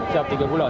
setiap tiga bulan